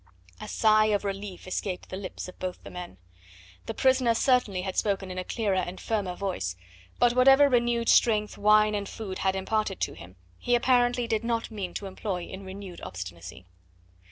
A sigh of relief escaped the lips of both the men. The prisoner certainly had spoken in a clearer and firmer voice; but whatever renewed strength wine and food had imparted to him he apparently did not mean to employ in renewed obstinacy.